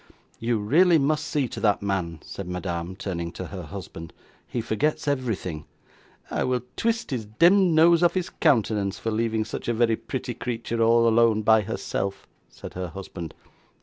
'You really must see to that man,' said Madame, turning to her husband. 'He forgets everything.' 'I will twist his demd nose off his countenance for leaving such a very pretty creature all alone by herself,' said her husband.